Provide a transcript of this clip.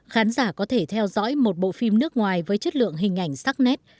khán giả có thể theo dõi một bộ phim nước ngoài với chất lượng hình ảnh sắc nét